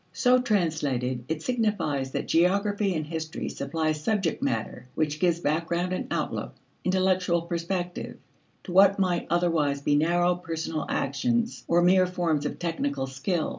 So translated, it signifies that geography and history supply subject matter which gives background and outlook, intellectual perspective, to what might otherwise be narrow personal actions or mere forms of technical skill.